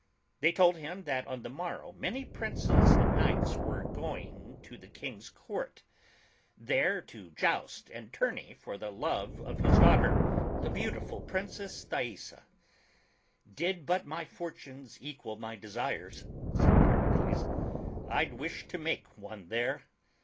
They told him that on the morrow many princes and knights were going to the King's Court, there ei 62 THE CHILDREN'S SHAKESPEARE. ^ to joust and tourney for the love of his daughter, the beautiful Princess Thaisa. "Did but my fortunes equal my desires/' said Pericles, "I'd wish to make one there."